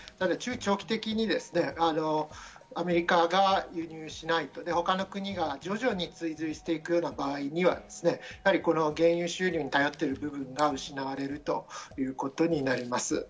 中長期的にアメリカが輸入しないと他の国が徐々に追随していく場合には原油収入に頼っている部分が失われるということになります。